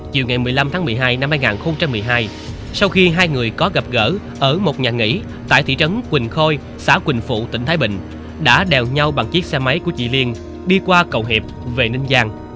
chiều ngày một mươi năm tháng một mươi hai năm hai nghìn một mươi hai sau khi hai người có gặp gỡ ở một nhà nghỉ tại thị trấn quỳnh khôi xã quỳnh phụ tỉnh thái bình đã đèo nhau bằng chiếc xe máy của chị liên đi qua cầu hẹp về ninh giang